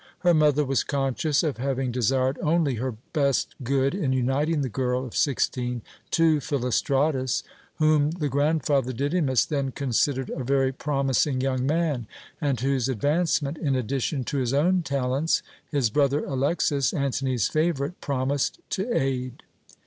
Her mother was conscious of having desired only her best good in uniting the girl of sixteen to Philostratus, whom the grandfather Didymus then considered a very promising young man, and whose advancement, in addition to his own talents, his brother Alexas, Antony's favourite, promised to aid.